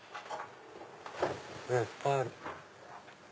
いっぱいある。